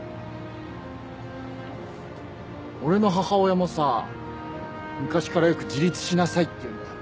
俺の母親もさ昔からよく「自立しなさい」って言うんだよ。